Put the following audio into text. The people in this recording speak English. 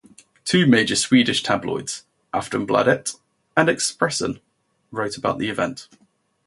Two major Swedish tabloids, "Aftonbladet" and "Expressen", wrote about the event.